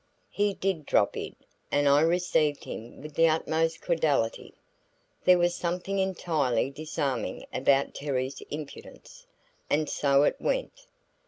He did drop in, and I received him with the utmost cordiality. There was something entirely disarming about Terry's impudence. And so it went.